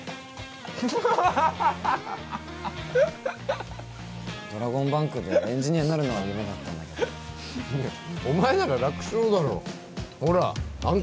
ハハハハドラゴンバンクでエンジニアになるのが夢だったんだけどお前なら楽勝だろほらあん